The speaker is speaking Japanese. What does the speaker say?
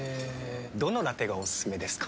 どのラテがおすすめですか？